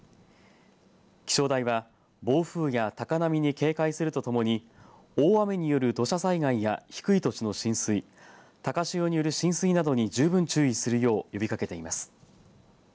気象台は暴風や高波に警戒するとともに大雨による土砂災害や低い土地の浸水高潮による浸水などに十分注意するよう呼びかけています。